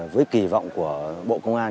với kỳ vọng của bộ công an